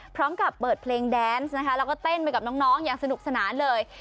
พร้อมกับเปิดเพลงแดนซ์นะคะแล้วก็เต้นไปกับน้องอย่างสนุกสนานเลย